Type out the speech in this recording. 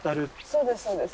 そうですそうです。